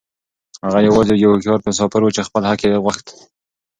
هغه يوازې يو هوښيار مسافر و چې خپل حق يې غوښت.